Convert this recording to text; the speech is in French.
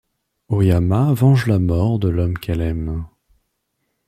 O'Yama venge la mort de l'homme qu'elle aime.